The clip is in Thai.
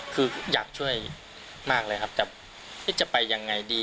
คืออยากช่วยมากเลยครับแต่จะไปยังไงดี